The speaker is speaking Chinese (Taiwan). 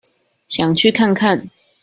想去看看